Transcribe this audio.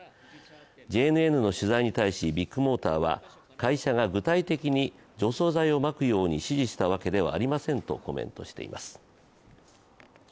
ＪＮＮの取材に対しビッグモーターは会社が具体的に除草剤をまくように指示したわけではありませんとコメントしています。